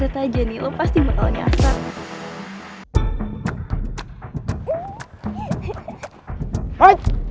diat aja nih lo pasti bakal nyasar